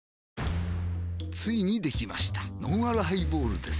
ついにできましたのんあるハイボールです